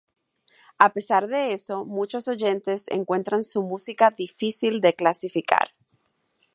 A pesar de eso, muchos oyentes encuentran su música difícil de clasificar.